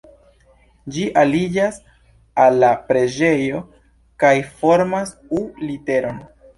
Ĝi aliĝas al la preĝejo kaj formas U-literon.